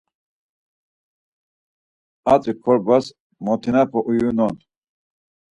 Hatzi korbas motinape uyonun.